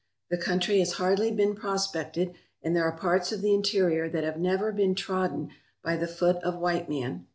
The country has hardly been prospected, and there are parts of the interior that have never been trodden by the foot of white man.